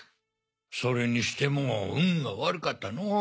それにしても運が悪かったのォ。